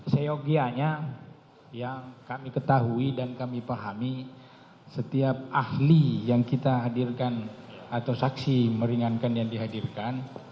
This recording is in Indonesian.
seyogianya yang kami ketahui dan kami pahami setiap ahli yang kita hadirkan atau saksi meringankan yang dihadirkan